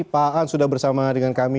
pak an sudah bersama dengan kami